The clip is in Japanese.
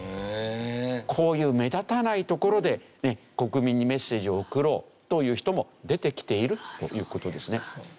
こういう目立たないところで国民にメッセージを送ろうという人も出てきているという事ですね。